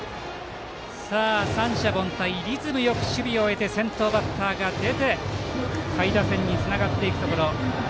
三者凡退、リズムよく守備を終え先頭バッターが出て下位打線につながるところ。